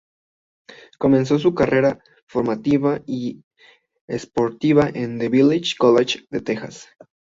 Comenzó su carrera formativa y esportiva al The Village College de Texas.